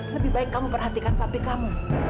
lebih baik kamu perhatikan pabrik kamu